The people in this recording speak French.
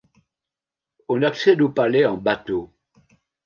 On accède au palais en bateau.